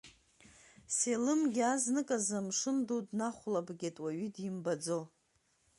Селымгьы азнаказы амшын ду днахәлабгеит уаҩы димбаӡо.